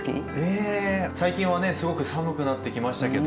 最近はねすごく寒くなってきましたけど。